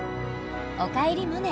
「おかえりモネ」